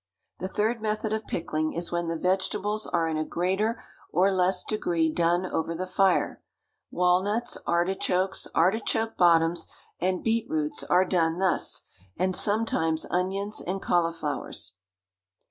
The third method of pickling is when the vegetables are in a greater or less degree done over the fire. Walnuts, artichokes, artichoke bottoms and beetroots are done thus, and sometimes onions and cauliflowers.